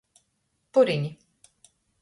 Purini.